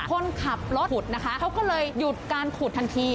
คนขับรถขุดนะคะเขาก็เลยหยุดการขุดทันที